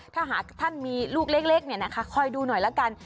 ถ้าหาท่านมีลูกเล็กเนี่ยนะคะคอยดูหน่อยละกัน